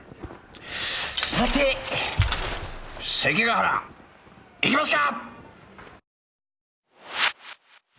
さて関ヶ原行きますか！